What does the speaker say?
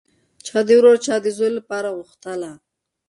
چا د ورور او چا د زوی لپاره غوښتله